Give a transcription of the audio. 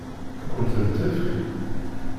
Ad kent-tent-tefk?